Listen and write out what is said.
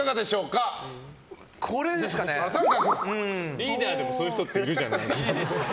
リーダーでも、そういう人っているじゃないですか。